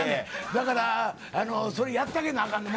だから、やってあげなあかん。